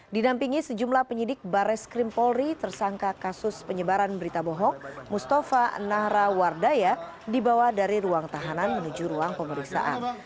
didampingi sejumlah penyidik bares krim polri tersangka kasus penyebaran berita bohong mustafa nahrawardaya dibawa dari ruang tahanan menuju ruang pemeriksaan